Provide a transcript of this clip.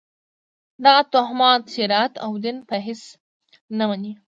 دغه توهمات شریعت او دین په هېڅ نه مني.